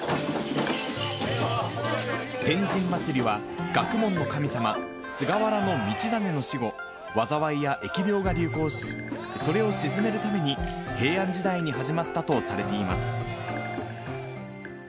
天神祭は学問の神様、菅原道真の死後、災いや疫病が流行し、それを鎮めるために、平安時代に始まったとされています。